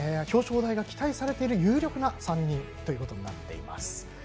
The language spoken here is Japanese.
表彰台が期待されている有力な３人となっています。